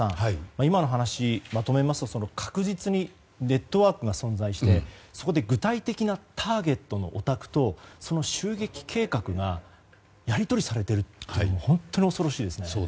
今の話をまとめますと確実にネットワークが存在してそこで具体的なターゲットのお宅とその襲撃計画がやり取りされているというのは本当に恐ろしいですね。